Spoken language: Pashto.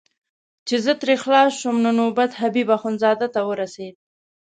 چې زه ترې خلاص شوم نو نوبت حبیب اخندزاده ته ورسېد.